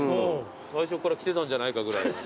最初から着てたんじゃないかぐらいの。